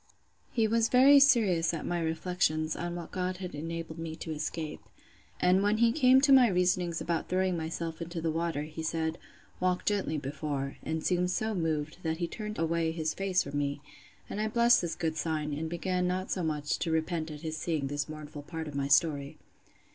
He was very serious at my reflections, on what God had enabled me to escape. And when he came to my reasonings about throwing myself into the water, he said, Walk gently before; and seemed so moved, that he turned away his face from me; and I blessed this good sign, and began not so much to repent at his seeing this mournful part of my story.